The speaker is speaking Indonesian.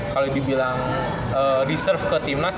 kalau dibilang di serve ke tim nas